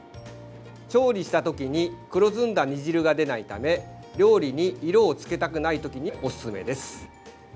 調理した時に黒ずんだ煮汁が出ないため料理に色を付けたくない時におすすめです。